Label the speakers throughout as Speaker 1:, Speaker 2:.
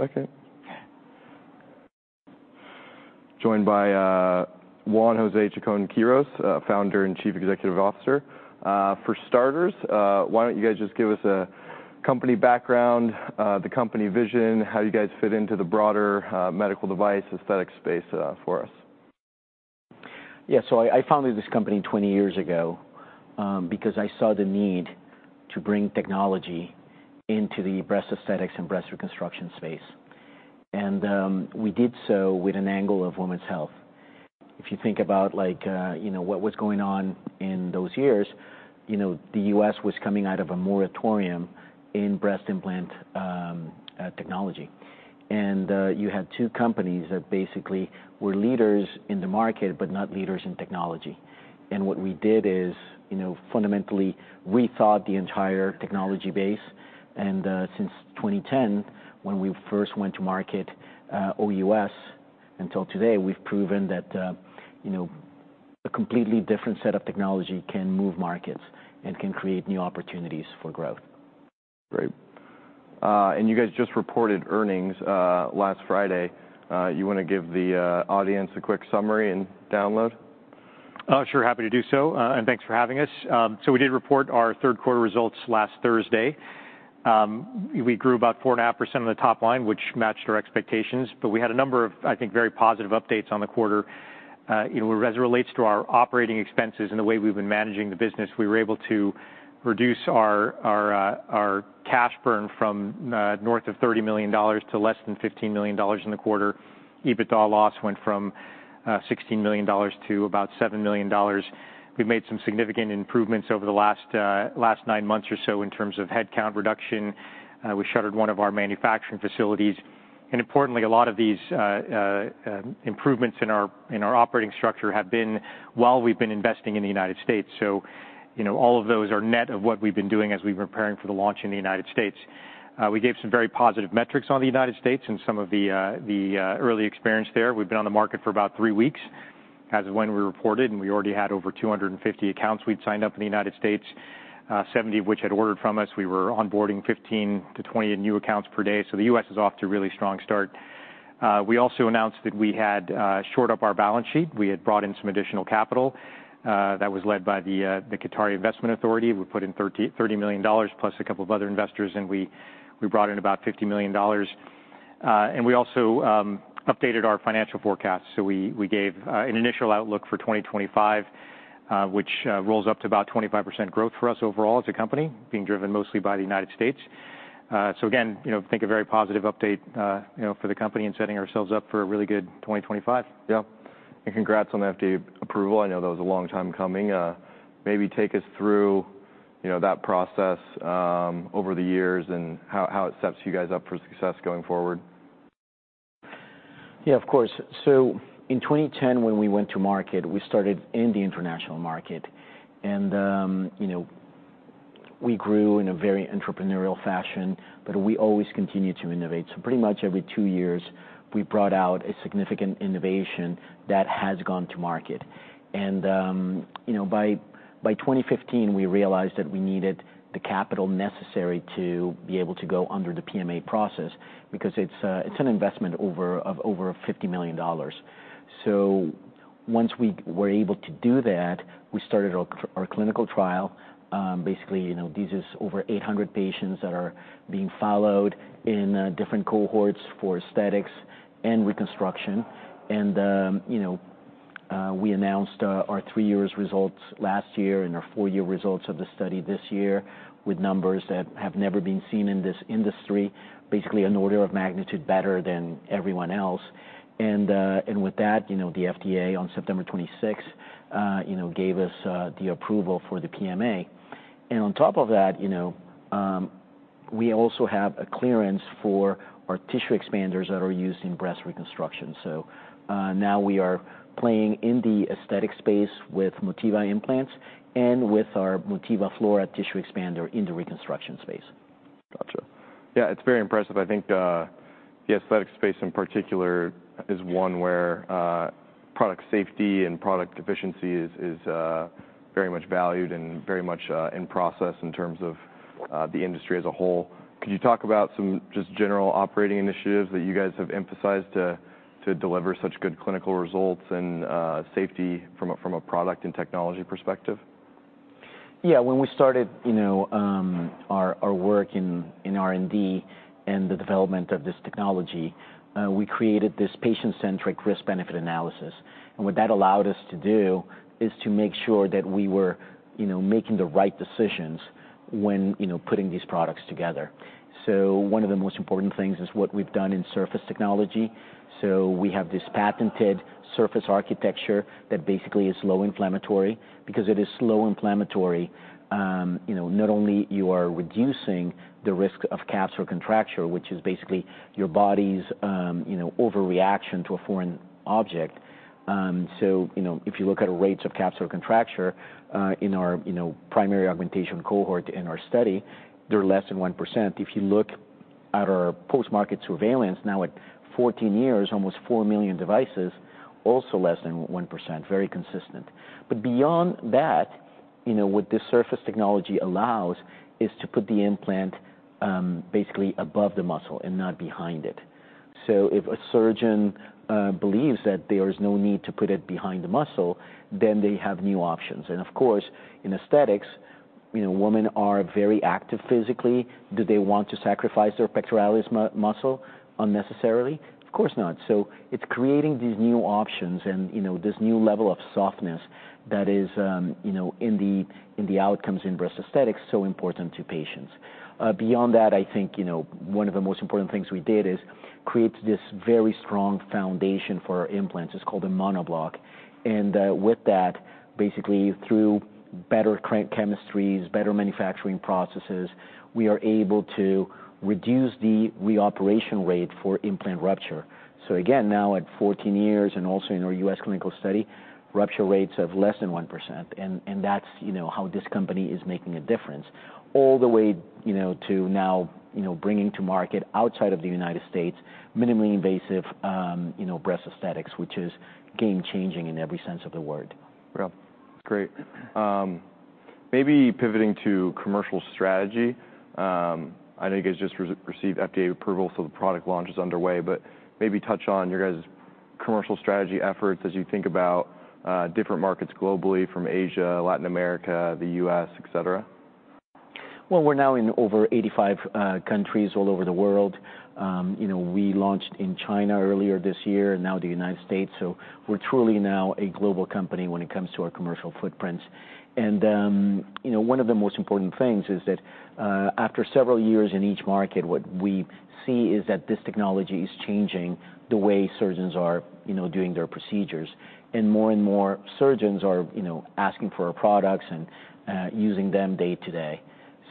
Speaker 1: One second. Okay. Joined by Juan José Chacón-Quirós, Founder and Chief Executive Officer. For starters, why don't you guys just give us a company background, the company vision, how you guys fit into the broader medical device aesthetic space, for us.
Speaker 2: Yeah, so I founded this company 20 years ago, because I saw the need to bring technology into the breast aesthetics and breast reconstruction space. We did so with an angle of women's health. If you think about, like, you know, what was going on in those years, you know, the U.S. was coming out of a moratorium in breast implant technology. You had two companies that basically were leaders in the market but not leaders in technology. What we did is, you know, fundamentally rethought the entire technology base. Since 2010, when we first went to market, OUS, until today, we've proven that, you know, a completely different set of technology can move markets and can create new opportunities for growth.
Speaker 1: Great, and you guys just reported earnings last Friday. You wanna give the audience a quick summary and download?
Speaker 3: Sure. Happy to do so and thanks for having us. So we did report our third quarter results last Thursday. We grew about 4.5% on the top line, which matched our expectations. But we had a number of, I think, very positive updates on the quarter. You know, as it relates to our operating expenses and the way we've been managing the business, we were able to reduce our cash burn from north of $30 million to less than $15 million in the quarter. EBITDA loss went from $16 million to about $7 million. We've made some significant improvements over the last nine months or so in terms of headcount reduction. We shuttered one of our manufacturing facilities. And importantly, a lot of these improvements in our operating structure have been while we've been investing in the United States. So, you know, all of those are net of what we've been doing as we've been preparing for the launch in the United States. We gave some very positive metrics on the United States and some of the early experience there. We've been on the market for about three weeks as of when we reported, and we already had over 250 accounts we'd signed up in the United States, 70 of which had ordered from us. We were onboarding 15-20 new accounts per day. So the U.S. is off to a really strong start. We also announced that we had shored up our balance sheet. We had brought in some additional capital, that was led by the Qatar Investment Authority. We put in $30 million plus a couple of other investors, and we brought in about $50 million. We also updated our financial forecast. So we gave an initial outlook for 2025, which rolls up to about 25% growth for us overall as a company, being driven mostly by the United States. So again, you know, think a very positive update, you know, for the company and setting ourselves up for a really good 2025.
Speaker 1: Yeah. And congrats on the FDA approval. I know that was a long time coming. Maybe take us through, you know, that process, over the years and how it sets you guys up for success going forward.
Speaker 2: Yeah, of course. So in 2010, when we went to market, we started in the international market. And, you know, we grew in a very entrepreneurial fashion, but we always continued to innovate. So pretty much every two years, we brought out a significant innovation that has gone to market. And, you know, by 2015, we realized that we needed the capital necessary to be able to go under the PMA process because it's an investment over $50 million. So once we were able to do that, we started our clinical trial. Basically, you know, these are over 800 patients that are being followed in different cohorts for aesthetics and reconstruction. You know, we announced our three-year results last year and our four-year results of the study this year with numbers that have never been seen in this industry, basically an order of magnitude better than everyone else. With that, you know, the FDA on September 26, you know, gave us the approval for the PMA. On top of that, you know, we also have a clearance for our tissue expanders that are used in breast reconstruction. Now we are playing in the aesthetic space with Motiva Implants and with our Motiva Flora tissue expander in the reconstruction space.
Speaker 1: Gotcha. Yeah, it's very impressive. I think, the aesthetic space in particular is one where, product safety and product efficiency is very much valued and very much in process in terms of the industry as a whole. Could you talk about some just general operating initiatives that you guys have emphasized to deliver such good clinical results and safety from a product and technology perspective?
Speaker 2: Yeah, when we started, you know, our work in R&D and the development of this technology, we created this patient-centric risk-benefit analysis. And what that allowed us to do is to make sure that we were, you know, making the right decisions when, you know, putting these products together. So one of the most important things is what we've done in surface technology. So we have this patented surface architecture that basically is low inflammatory. Because it is low inflammatory, you know, not only you are reducing the risk of capsular contracture, which is basically your body's, you know, overreaction to a foreign object, so you know, if you look at our rates of capsular contracture, in our, you know, primary augmentation cohort in our study, they're less than 1%. If you look at our post-market surveillance, now at 14 years, almost 4 million devices, also less than 1%, very consistent. But beyond that, you know, what this surface technology allows is to put the implant, basically above the muscle and not behind it. So if a surgeon believes that there is no need to put it behind the muscle, then they have new options. And of course, in aesthetics, you know, women are very active physically. Do they want to sacrifice their pectoralis muscle unnecessarily? Of course not. So it's creating these new options and, you know, this new level of softness that is, you know, in the outcomes in breast aesthetics so important to patients. Beyond that, I think, you know, one of the most important things we did is create this very strong foundation for our implants. It's called a Monobloc. With that, basically through better chemistries, better manufacturing processes, we are able to reduce the re-operation rate for implant rupture. Again, now at 14 years and also in our U.S. clinical study, rupture rates of less than 1%. That's, you know, how this company is making a difference all the way, you know, to now, you know, bringing to market outside of the United States minimally invasive, you know, breast aesthetics, which is game-changing in every sense of the word.
Speaker 1: Yeah. That's great. Maybe pivoting to commercial strategy. I know you guys just received FDA approval, so the product launch is underway, but maybe touch on your guys' commercial strategy efforts as you think about different markets globally from Asia, Latin America, the U.S., etc.
Speaker 2: We're now in over 85 countries all over the world. You know, we launched in China earlier this year and now the United States. So we're truly now a global company when it comes to our commercial footprints. And, you know, one of the most important things is that, after several years in each market, what we see is that this technology is changing the way surgeons are, you know, doing their procedures. And more and more surgeons are, you know, asking for our products and, using them day to day.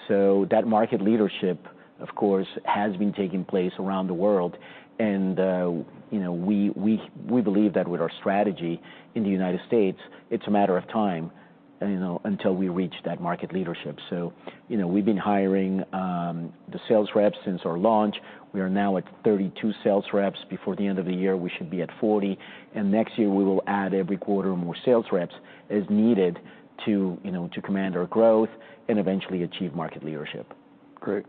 Speaker 2: So that market leadership, of course, has been taking place around the world. And, you know, we believe that with our strategy in the United States, it's a matter of time, you know, until we reach that market leadership. So, you know, we've been hiring the sales reps since our launch. We are now at 32 sales reps. Before the end of the year, we should be at 40. And next year, we will add every quarter more sales reps as needed to, you know, to command our growth and eventually achieve market leadership.
Speaker 1: Great,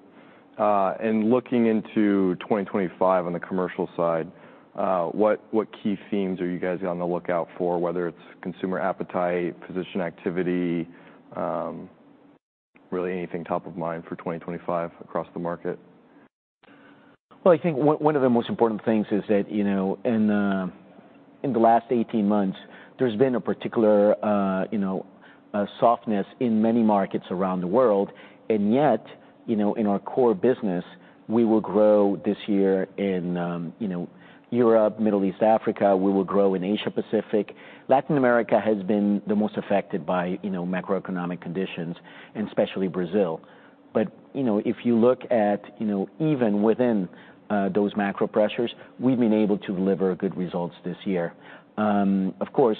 Speaker 1: and looking into 2025 on the commercial side, what key themes are you guys on the lookout for, whether it's consumer appetite, physician activity, really anything top of mind for 2025 across the market?
Speaker 2: I think one of the most important things is that, you know, in the last 18 months, there's been a particular, you know, softness in many markets around the world. Yet, you know, in our core business, we will grow this year in, you know, Europe, Middle East, Africa. We will grow in Asia-Pacific. Latin America has been the most affected by, you know, macroeconomic conditions and especially Brazil. You know, if you look at, you know, even within those macro pressures, we've been able to deliver good results this year. Of course,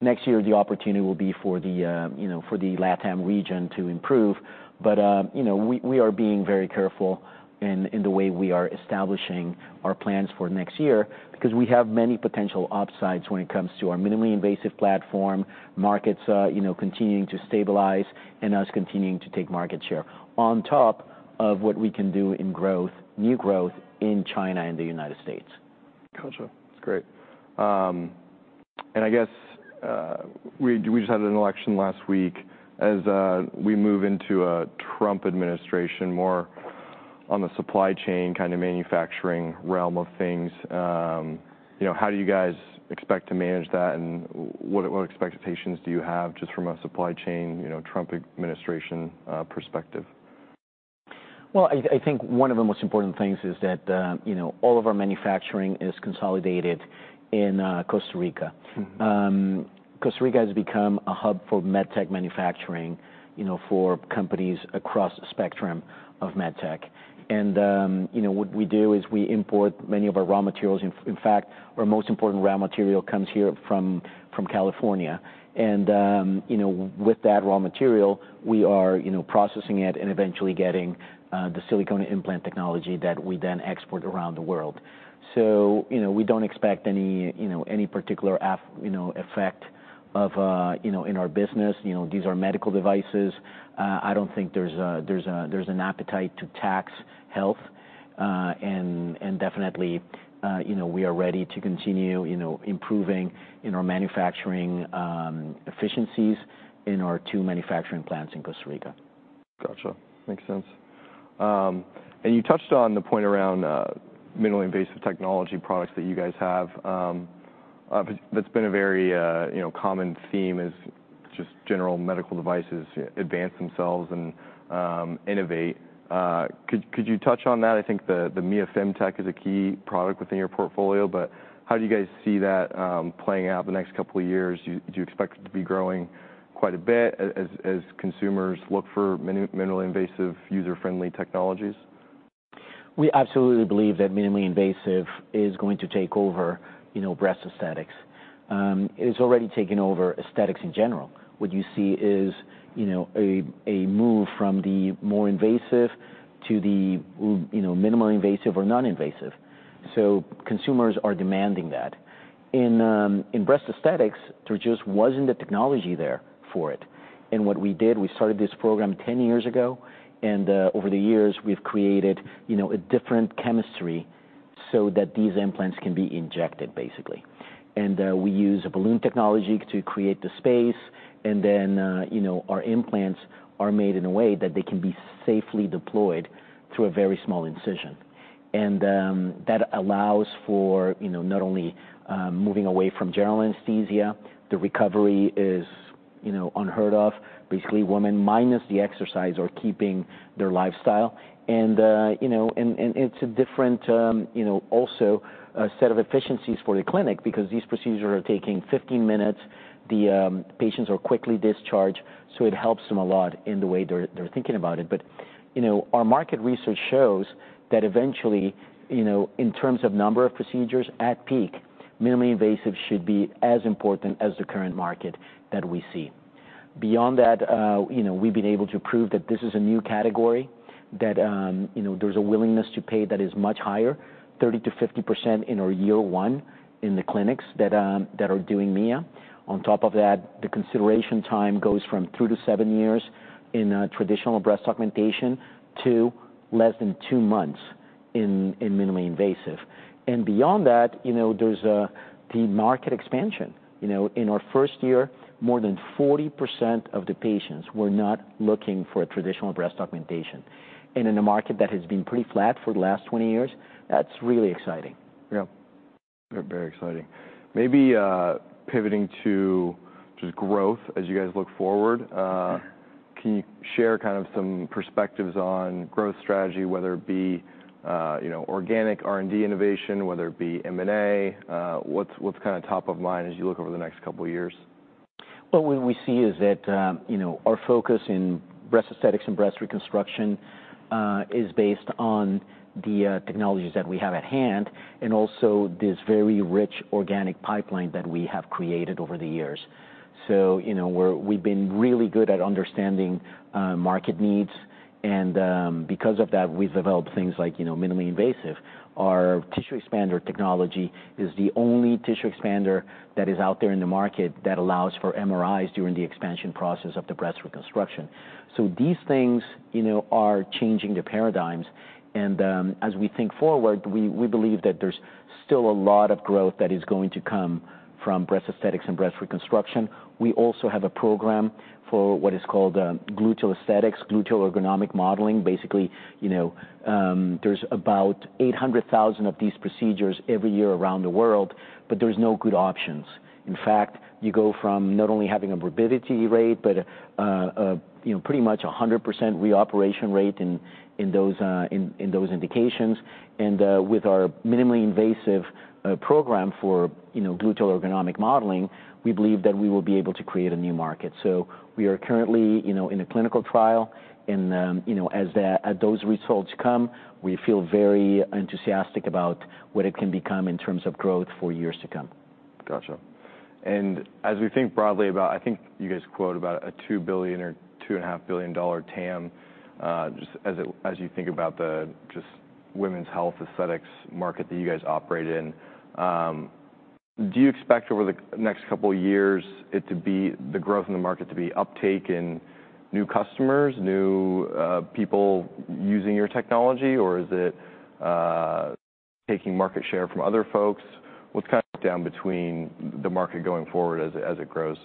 Speaker 2: next year, the opportunity will be for the, you know, LATAM region to improve. But, you know, we are being very careful in the way we are establishing our plans for next year because we have many potential upsides when it comes to our minimally invasive platform, markets, you know, continuing to stabilize and us continuing to take market share on top of what we can do in growth, new growth in China and the United States.
Speaker 1: Gotcha. That's great, and I guess we just had an election last week. As we move into a Trump administration more on the supply chain kind of manufacturing realm of things, you know, how do you guys expect to manage that? And what expectations do you have just from a supply chain, you know, Trump administration, perspective?
Speaker 2: I think one of the most important things is that, you know, all of our manufacturing is consolidated in Costa Rica.
Speaker 1: Mm-hmm.
Speaker 2: Costa Rica has become a hub for med tech manufacturing, you know, for companies across the spectrum of med tech. And, you know, what we do is we import many of our raw materials. In fact, our most important raw material comes here from California. And, you know, with that raw material, we are, you know, processing it and eventually getting the silicone implant technology that we then export around the world. So, you know, we don't expect any particular effect in our business. You know, these are medical devices. I don't think there's an appetite to tax health. And definitely, you know, we are ready to continue, you know, improving in our manufacturing efficiencies in our two manufacturing plants in Costa Rica.
Speaker 1: Gotcha. Makes sense. And you touched on the point around minimally invasive technology products that you guys have. That's been a very, you know, common theme is just general medical devices advance themselves and innovate. Could you touch on that? I think the Mia Femtech is a key product within your portfolio, but how do you guys see that playing out the next couple of years? Do you expect it to be growing quite a bit as consumers look for minimally invasive, user-friendly technologies?
Speaker 2: We absolutely believe that minimally invasive is going to take over, you know, breast aesthetics. It has already taken over aesthetics in general. What you see is, you know, a move from the more invasive to the, you know, minimally invasive or non-invasive. So consumers are demanding that. In breast aesthetics, there just wasn't the technology there for it. And what we did, we started this program 10 years ago. And over the years, we've created, you know, a different chemistry so that these implants can be injected, basically. And we use a balloon technology to create the space. And then, you know, our implants are made in a way that they can be safely deployed through a very small incision. And that allows for, you know, not only moving away from general anesthesia, the recovery is, you know, unheard of. Basically, women minus the exercise are keeping their lifestyle and, you know, it's a different, you know, also a set of efficiencies for the clinic because these procedures are taking 15 minutes. The patients are quickly discharged, so it helps them a lot in the way they're thinking about it, but you know, our market research shows that eventually, you know, in terms of number of procedures at peak, minimally invasive should be as important as the current market that we see. Beyond that, you know, we've been able to prove that this is a new category, that, you know, there's a willingness to pay that is much higher, 30%-50% in our year one in the clinics that are doing Mia. On top of that, the consideration time goes from two to seven years in traditional breast augmentation to less than two months in minimally invasive. And beyond that, you know, there's the market expansion. You know, in our first year, more than 40% of the patients were not looking for a traditional breast augmentation. And in a market that has been pretty flat for the last 20 years, that's really exciting.
Speaker 1: Yeah. Very, very exciting. Maybe, pivoting to just growth as you guys look forward, can you share kind of some perspectives on growth strategy, whether it be, you know, organic R&D innovation, whether it be M&A, what's kind of top of mind as you look over the next couple of years?
Speaker 2: What we see is that, you know, our focus in breast aesthetics and breast reconstruction is based on the technologies that we have at hand and also this very rich organic pipeline that we have created over the years, so, you know, we've been really good at understanding market needs, and because of that, we've developed things like, you know, minimally invasive. Our tissue expander technology is the only tissue expander that is out there in the market that allows for MRIs during the expansion process of the breast reconstruction, so these things, you know, are changing the paradigms, and as we think forward, we believe that there's still a lot of growth that is going to come from breast aesthetics and breast reconstruction. We also have a program for what is called gluteal aesthetics, Gluteal Ergonomic Modeling. Basically, you know, there's about 800,000 of these procedures every year around the world, but there's no good options. In fact, you go from not only having a morbidity rate, but, you know, pretty much a 100% re-operation rate in those indications, and with our minimally invasive program for, you know, Gluteal Ergonomic Modeling, we believe that we will be able to create a new market, so we are currently, you know, in a clinical trial. And, you know, as that, those results come, we feel very enthusiastic about what it can become in terms of growth for years to come.
Speaker 1: Gotcha. And as we think broadly about, I think you guys quote about a $2 billion-$2.5 billion TAM, just as you think about the women's health aesthetics market that you guys operate in, do you expect over the next couple of years the growth in the market to be uptake in new customers, new people using your technology, or is it taking market share from other folks? What's kind of driving the market going forward as it grows?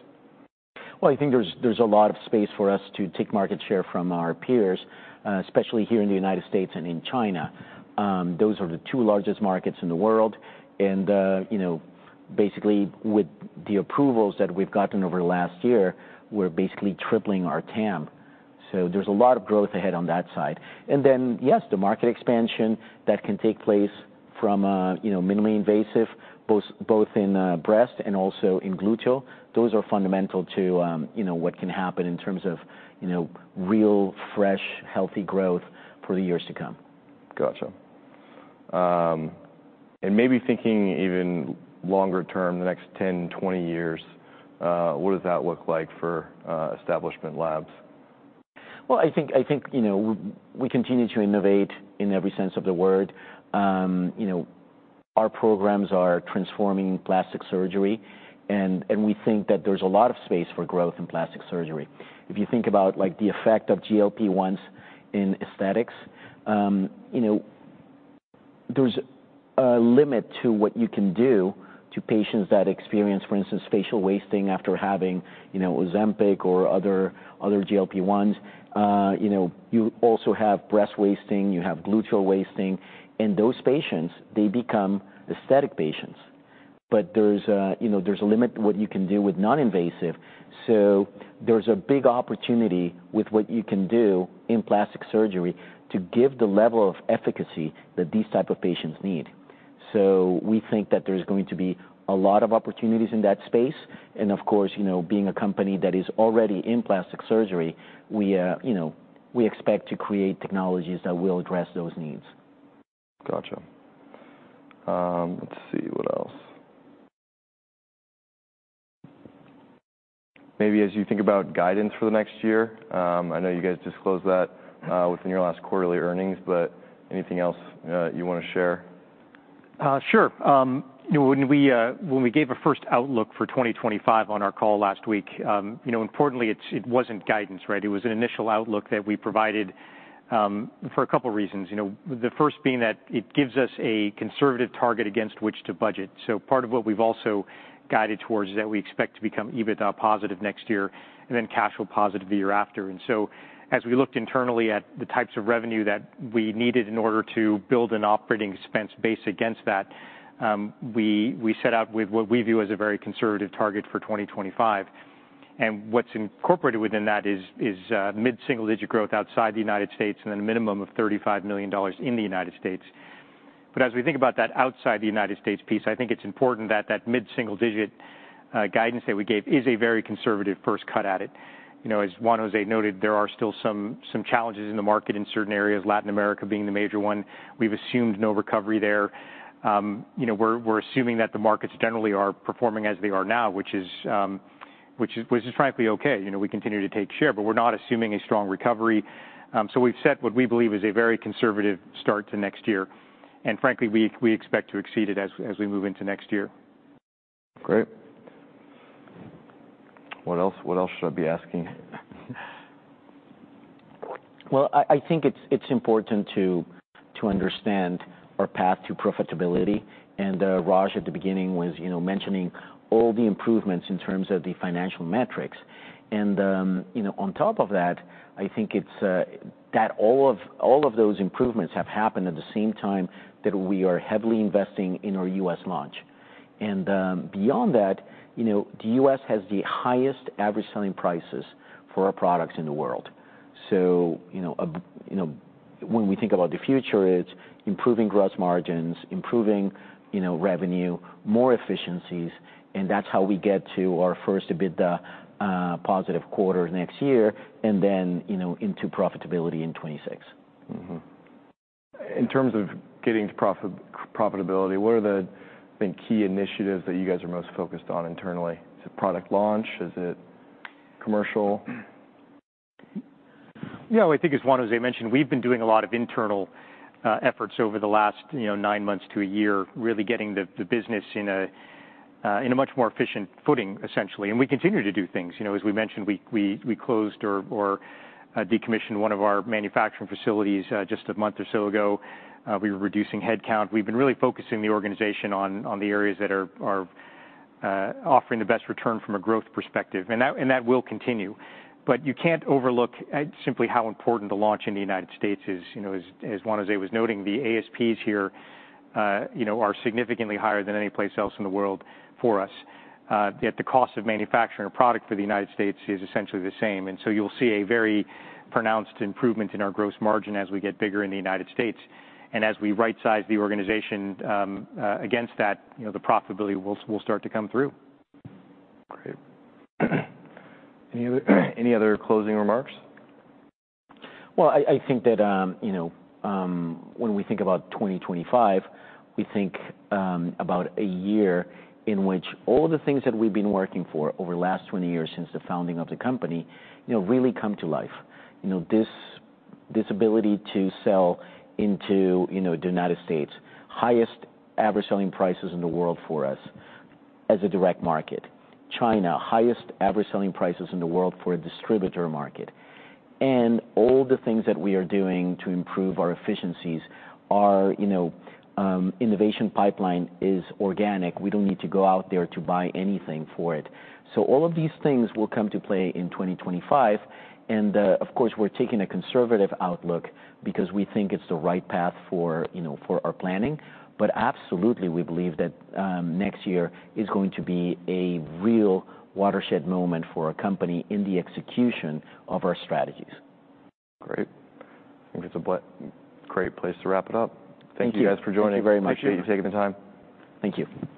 Speaker 2: I think there's a lot of space for us to take market share from our peers, especially here in the United States and in China. Those are the two largest markets in the world. You know, basically with the approvals that we've gotten over the last year, we're basically tripling our TAM. There's a lot of growth ahead on that side. Then, yes, the market expansion that can take place from, you know, minimally invasive, both in breast and also in gluteal, those are fundamental to, you know, what can happen in terms of, you know, real, fresh, healthy growth for the years to come.
Speaker 1: Gotcha. And maybe thinking even longer term, the next 10, 20 years, what does that look like for Establishment Labs?
Speaker 2: I think you know, we continue to innovate in every sense of the word. You know, our programs are transforming plastic surgery. We think that there's a lot of space for growth in plastic surgery. If you think about, like, the effect of GLP-1s in aesthetics, you know, there's a limit to what you can do to patients that experience, for instance, facial wasting after having, you know, Ozempic or other GLP-1s. You know, you also have breast wasting. You have gluteal wasting. Those patients, they become aesthetic patients. There's, you know, a limit to what you can do with non-invasive. There's a big opportunity with what you can do in plastic surgery to give the level of efficacy that these type of patients need. So we think that there's going to be a lot of opportunities in that space. And of course, you know, being a company that is already in plastic surgery, we, you know, we expect to create technologies that will address those needs.
Speaker 1: Gotcha. Let's see what else. Maybe as you think about guidance for the next year, I know you guys disclosed that, within your last quarterly earnings, but anything else, you want to share?
Speaker 3: Sure. You know, when we gave a first outlook for 2025 on our call last week, you know, importantly, it wasn't guidance, right? It was an initial outlook that we provided, for a couple of reasons. You know, the first being that it gives us a conservative target against which to budget. So part of what we've also guided towards is that we expect to become EBITDA positive next year and then cash flow positive the year after. And so as we looked internally at the types of revenue that we needed in order to build an operating expense base against that, we set out with what we view as a very conservative target for 2025. And what's incorporated within that is mid-single digit growth outside the United States and then a minimum of $35 million in the United States. But as we think about that outside the United States piece, I think it's important that that mid-single digit guidance that we gave is a very conservative first cut at it. You know, as Juan José noted, there are still some challenges in the market in certain areas, Latin America being the major one. We've assumed no recovery there. You know, we're assuming that the markets generally are performing as they are now, which is frankly okay. You know, we continue to take share, but we're not assuming a strong recovery, so we've set what we believe is a very conservative start to next year, and frankly, we expect to exceed it as we move into next year.
Speaker 1: Great. What else, what else should I be asking?
Speaker 2: I think it's important to understand our path to profitability. Raj at the beginning was, you know, mentioning all the improvements in terms of the financial metrics. You know, on top of that, I think that all of those improvements have happened at the same time that we are heavily investing in our U.S. launch. Beyond that, you know, the U.S. has the highest average selling prices for our products in the world. You know, when we think about the future, it's improving gross margins, improving, you know, revenue, more efficiencies. That's how we get to our first EBITDA-positive quarter next year and then, you know, into profitability in 2026.
Speaker 1: Mm-hmm. In terms of getting to profitability, what are the, I think, key initiatives that you guys are most focused on internally? Is it product launch? Is it commercial?
Speaker 3: Yeah. I think as Juan José mentioned, we've been doing a lot of internal efforts over the last, you know, nine months to a year, really getting the business in a much more efficient footing, essentially, and we continue to do things. You know, as we mentioned, we closed or decommissioned one of our manufacturing facilities, just a month or so ago. We were reducing headcount. We've been really focusing the organization on the areas that are offering the best return from a growth perspective. And that will continue. But you can't overlook simply how important the launch in the United States is. You know, as Juan José was noting, the ASPs here, you know, are significantly higher than any place else in the world for us. Yet the cost of manufacturing a product for the United States is essentially the same. And so you'll see a very pronounced improvement in our gross margin as we get bigger in the United States. And as we right-size the organization against that, you know, the profitability will start to come through.
Speaker 1: Great. Any other closing remarks?
Speaker 2: I think that, you know, when we think about 2025, we think about a year in which all of the things that we've been working for over the last 20 years since the founding of the company, you know, really come to life. You know, this ability to sell into, you know, the United States, highest average selling prices in the world for us as a direct market. China, highest average selling prices in the world for a distributor market. And all the things that we are doing to improve our efficiencies are, you know, innovation pipeline is organic. We don't need to go out there to buy anything for it. So all of these things will come to play in 2025. And, of course, we're taking a conservative outlook because we think it's the right path for, you know, for our planning. But absolutely, we believe that, next year is going to be a real watershed moment for our company in the execution of our strategies.
Speaker 1: Great. I think it's a great place to wrap it up. Thank you guys for joining us.
Speaker 3: Thank you very much.
Speaker 1: Appreciate you taking the time.
Speaker 2: Thank you.